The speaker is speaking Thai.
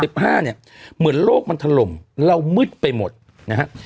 สิบห้าเนี่ยเหมือนโลกมันถล่มเรามืดไปหมดนะฮะ